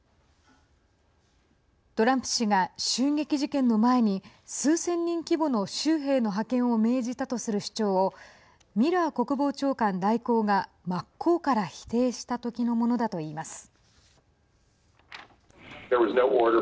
トランプ氏が襲撃事件の前に数千人規模の州兵の派遣を命じたとする主張をミラー国防長官代行が真っ向から否定したときのものだといいます。